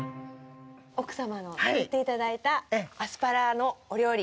奥様の作っていただいたアスパラのお料理。